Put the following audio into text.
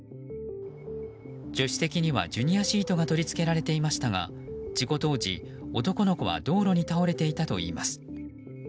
助手席にはジュニアシートが取り付けられていましたが事故当時、男の子は道路に倒れていたといいます。